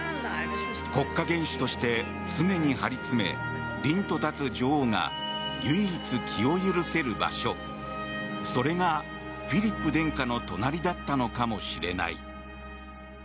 国家元首として常に張り詰め凛と立つ女王が唯一気を許せる場所それがフィリップ殿下の隣だったのかもしれない。